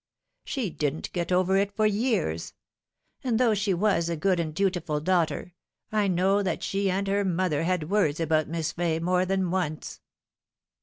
She didn't get over it for years ; and though she was a good and dutiful daughter, I know that she and her mother had words about Miss Fay more than once."